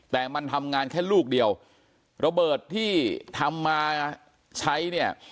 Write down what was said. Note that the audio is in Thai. แต่มันทำงานแค่ลูกเดียวระเบิดที่ทำมาใช้เนี่ย